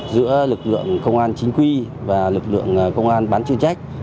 giữa lực lượng công an chính quy và lực lượng công an bán chuyên trách